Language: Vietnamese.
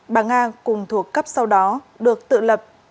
bà nga cùng thuộc cấp sau đó được tự lập